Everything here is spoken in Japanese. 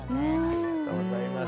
ありがとうございます。